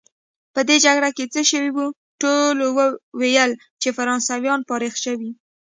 په دې جګړه کې څه شوي وو؟ ټولو ویل چې فرانسویان فارغه شوي.